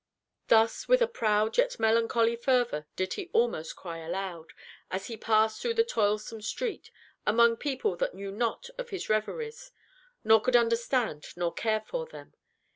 Thus with a proud yet melancholy fervor did he almost cry aloud, as he passed through the toilsome street, among people that knew not of his reveries, nor could understand nor care for them.